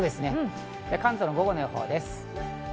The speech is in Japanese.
関東の午後の予報です。